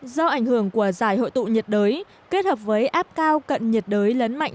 do ảnh hưởng của giải hội tụ nhiệt đới kết hợp với áp cao cận nhiệt đới lấn mạnh